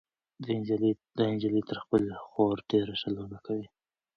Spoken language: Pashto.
دا نجلۍ تر خپلې خور ډېره ښه لوبه کوي.